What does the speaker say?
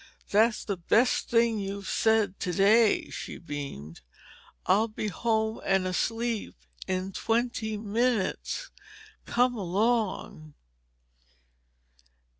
"That's the best thing you've said today," she beamed, "I'll be home and asleep in twenty minutes! Come along."